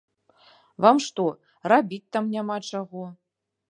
Вам што, рабіць там няма чаго?